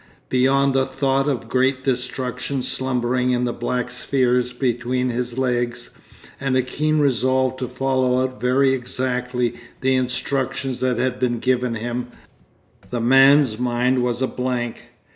Beyond the thought of great destruction slumbering in the black spheres between his legs, and a keen resolve to follow out very exactly the instructions that had been given him, the man's mind was a blank.